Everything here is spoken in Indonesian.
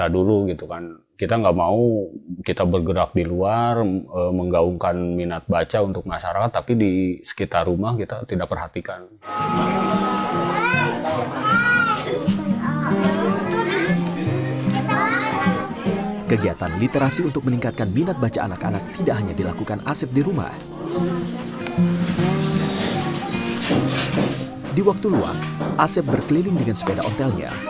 di waktu luang asep berkeliling dengan sepeda ontelnya